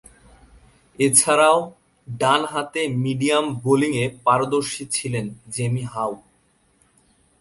এছাড়াও, ডানহাতে মিডিয়াম বোলিংয়ে পারদর্শী ছিলেন জেমি হাউ।